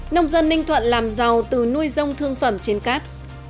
nông dân ninh thuận làm giàu từ nuôi dông thương phẩm trên cát